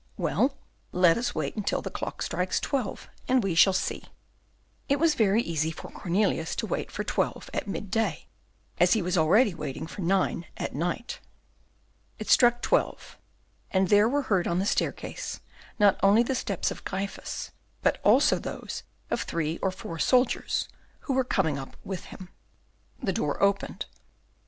Well, let us wait until the clock strikes twelve, and we shall see." It was very easy for Cornelius to wait for twelve at midday, as he was already waiting for nine at night. It struck twelve, and there were heard on the staircase not only the steps of Gryphus, but also those of three or four soldiers, who were coming up with him. The door opened.